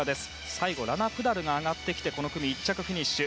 最後、ラナ・プダルが上がってきてこの組１着フィニッシュ。